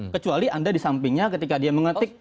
kecuali anda di sampingnya ketika dia mengetik